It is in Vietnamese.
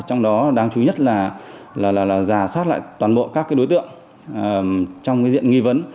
trong đó đáng chú ý nhất là giả soát lại toàn bộ các đối tượng trong diện nghi vấn